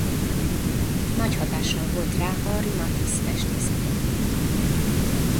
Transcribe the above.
Nagy hatással volt rá Henri Matisse festészete.